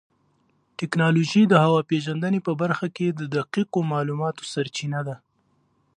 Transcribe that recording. ټیکنالوژي د هوا پېژندنې په برخه کې د دقیقو معلوماتو سرچینه ده.